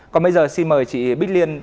còn bây giờ xin mời chị bích liên